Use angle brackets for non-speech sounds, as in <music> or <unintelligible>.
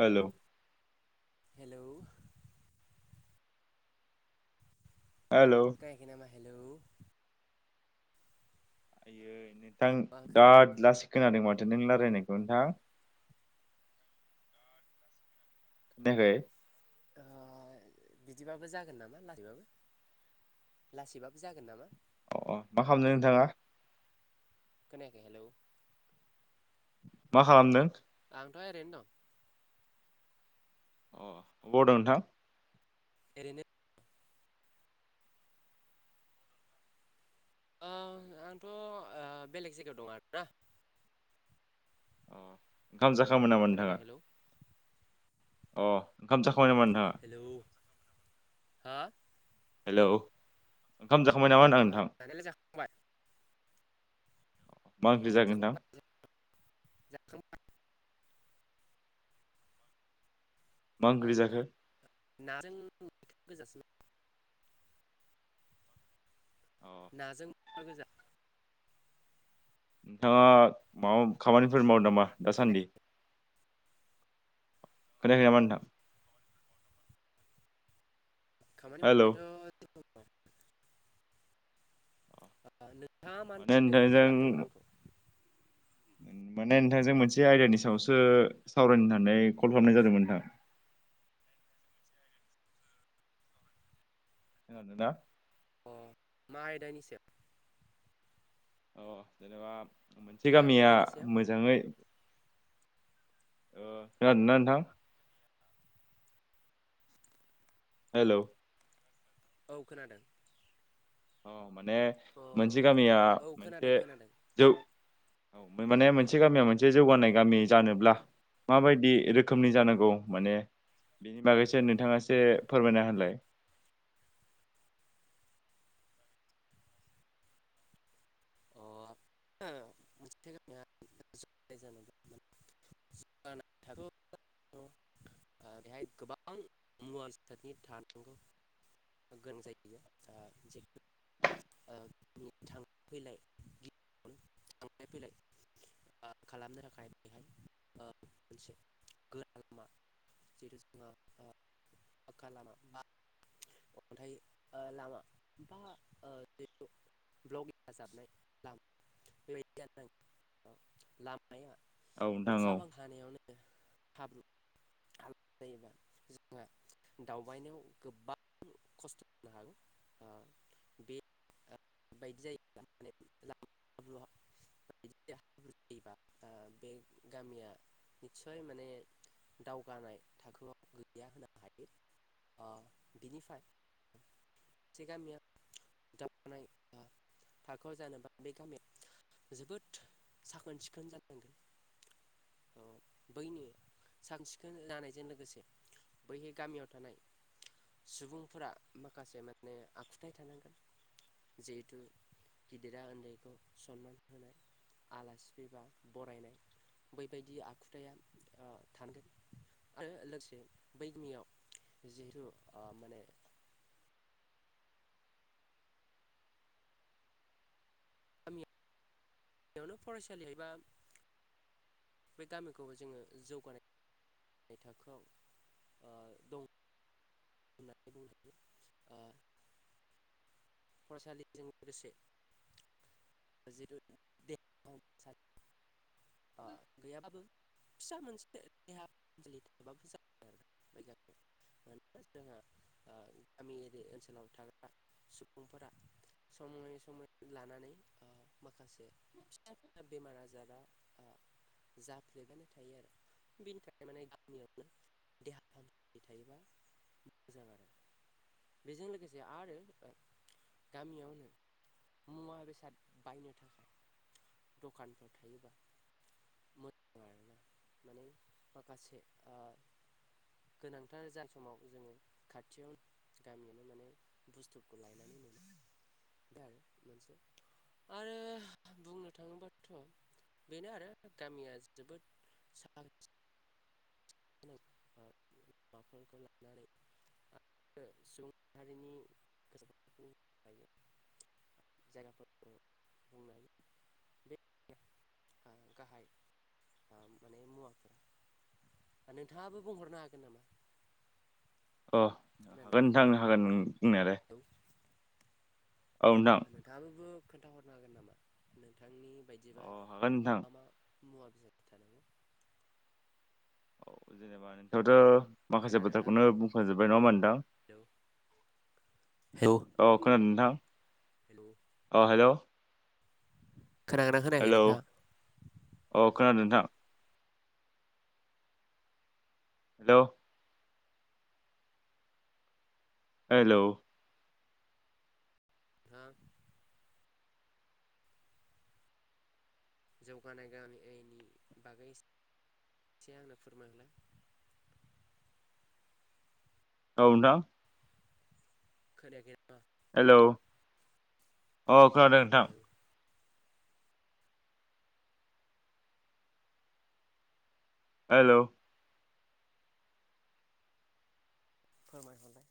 Hello hello hello खोनायाखै नामा hello आयै नोंथां औ आं खोनादों बिराद लासै खोनादों माथो नोंना <unintelligible> नोंथां खोनायाखै? ओ बिदिबाबो जागोन नामा लासैबाबो लासैबाबो जागोन नामा? अ अ मा खालामदों नोंथाङा? खोनायाखै हेलौ मा खालामदों? आंथ' ओरैनो दं। अ अबाव दं नोंथां? ओरैनो ओ आंथ' ओ बेलेग जायगायाव दं आरोना। अ ओंखाम जाखांबाय नामा खोनादों नोंथाङा? हेलौ अ ओंखाम जाखांबाय नामा नोंथाङा? हेलौ हा? हेलौ ओंखाम जाखांबाय नामा होनदों आं ओ नोंथां? जानायालाय जाखांबाय मा औ ओख्रै जागोन नोंथां? जाखांबाय जाखांबाय। मा ओंख्रि ओ जाखो नाजों मैथा गोजासो अ नाजों मैथा गोजा नोंथाङा माबा खामानिफोर मावदों नामा दासान्दि? खोनायाखै खोनायाखै नामा नोथां? खामानि मावनायाथ'। नोंथाङा मानि माने थाखाय कल नोंथांजों खालामदोंमोन आंखौ। माने नोंथांजों मोनसे आयदानि सायावसो सावरायनो होननानै कल खालामनाय जादोंमोन नोंथां। ना अ मा आयदायनिसायाव? औ जेनेबा मोनसे मा गामिया आयदानि सायाव मोजाङै अ खोनादोंना नोंथां? हेलौ औ खोनादों। औ माने अ मोनसे गामिया औ खोनादों मोनसे खोनादों जौ औ माने मोनसे गामिया मोनसे जौगानाय गामि जानोब्ला माबायदि रोखोमनि जानांगौ माने बिनि बागैसो नोंथाङाासो फोरमायना होलाय। अ <unintelligible> बेहाय गोबां मुवासादनि थानांगौ। गोन जायगाया जे थांलाय फैलाय थांलाय फैलाय खालामनो थाखाय बेहाय ओ मोनसे लामा <unintelligible> अन्थाइ ओ लामा बा जिथु ब्लक देाजाबनाय बेबायदियानो लाम माया औ नोंथां अखा औ बां हानायावनो हाब्रु हाला <inaudible> जायोबा जोंहा दावबायनायाव गोबां खस्थ' जानो हागौ। ओ बे बायदि जायो <unintelligible> <unintelligible> जायोबा बे गामिया निस्सय माने दावगानाय थाखोआव गैया होनो हायो। ओ बिनिफ्राय मोनसे गामिया थाखोआव जानोबा बे गामि जोबोद साखोन सिखोन जानांगोन' ओ बैनि साखोन सिखोन जानायजों लोगोसे बैहाय गामियाव थानाय सुबुंफोरा माखासे माने आखुथाय थानांगोन जिहेथु गिदिरा उन्दैखौ सनमान होनाय। आलासि फैबा बरायनाय बैबायदि आखुथाया ओ थांनांगोन। आरो लोगोसे बै गामियाव जिहेथु ओ माने गामि गियावनो फरायसालि एबा बे गामिखौ जोङो जौगानाय नाय थाखोआव ओ दं। <unintelligible> फरायसालिजों लोगोसे <unintelligible> ओ गैया बो। फिसा मोनसे देहाहामसालि थाबाबो जा <unintelligible> मानोना जोंहा ओ गामियरि ओनसोलाव थाग्रा सुबुंफोरा समय समय लानानै माखासे फिसा फिसा बेमार आजारा जाफ्लेबायनो थायो आरो। बिनि थाखाय माने गामियावनो देहा फाहामसालि थायोबा मोजां आरो <inaudible> बेजों लोगोसे आरो गामियावनो मुवा बेसाद बायनो थाखाय दखानफोर थायोबा <unintelligible> गोनांथार जानाय समाव जोङो खाथियाव गामियावनो माने बुस्थुखौ लायो <inaudible> दा मोनसे आरो बुंनो थाङोबाथ' <inaudible> बेनो आरो गामिया जोबोद साखोन <unintelligible> <unintelligible> जायगाफोरखौ बुंनो हायो बे <unintelligible> गाहाय ओ माने मुवाफोर नोंथाङाबो बुंहरनो हागोन नामा? अ खोनादों हागोन नोंथां हागोन बुंनायालाय औ औ नोंथां नोंथाङाबो खोन्थाहरनो हागोन नामा नोंथांनि अ बायदिबा हागोन नोंथां मा मा? मुवा बेसाद थानांगौ? औ जेनेबा नोंथांयाथ' माखासे खोनादोंना बाथ्राखौनो बुंखांजोब्बाय नङा होमबा नोंथां? हेलौ अ खोनादों नोंथां? हेलौ अ हेल' खोनागोनना खोनायाखै नोंथां? अ खोनादों नोंथां हेल' हेलौ उम जौगानाय गामियनि बागै थिया आंनो फोरमायलाय औ नोंथां खोनायाखै नामा हेलौ अ खोनादों नोंथां हेलौ हेल' फोरमायहलाय